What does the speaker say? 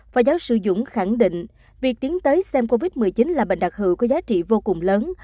phó giáo sư dũng khẳng định việc tiến tới xem covid một mươi chín là bệnh đặc hữu có giá trị vô cùng lớn